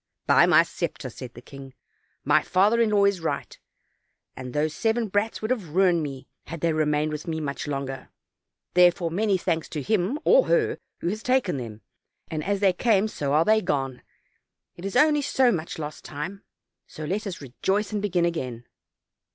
"By my scepter," said the king, "my father in law is right; and those seven brats would have ruined me, had they remained with me much longer; therefore, many thanks to him or her who has taken them; as they came so are they gone; it is only so much lost time; so let us rejoice and begin again."